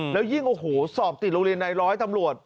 แล้วยิ่งโอ้โหสอบติดโรงเรียนในร้อยตำรวจ